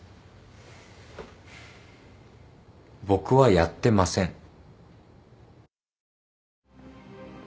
僕はやってません。